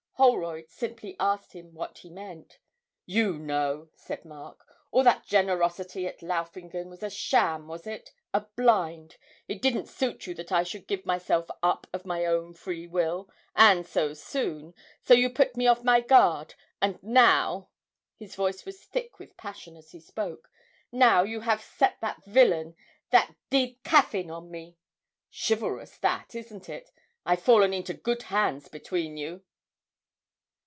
Holroyd simply asked him what he meant. 'You know!' said Mark. 'All that generosity at Laufingen was a sham, was it a blind? It didn't suit you that I should give myself up of my own free will, and so soon, so you put me off my guard! And now' his voice was thick with passion as he spoke 'now you have set that villain, that d d Caffyn, on me! Chivalrous that, isn't it? I've fallen into good hands between you!'